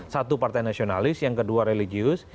satu partai nasionalis yang kedua religius